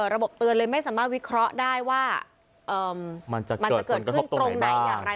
เตือนเลยไม่สามารถวิเคราะห์ได้ว่ามันจะเกิดขึ้นตรงไหนอย่างไร